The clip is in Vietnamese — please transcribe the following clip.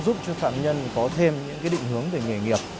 giúp cho phạm nhân có thêm những định hướng về nghề nghiệp